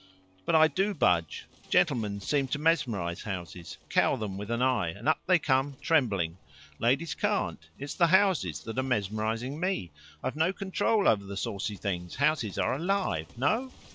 "But I do budge. Gentlemen seem to mesmerize houses cow them with an eye, and up they come, trembling. Ladies can't. It's the houses that are mesmerizing me. I've no control over the saucy things. Houses are alive. No?"